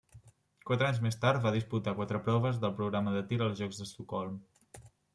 Quatre anys més tard va disputar quatre proves del programa de tir als Jocs d'Estocolm.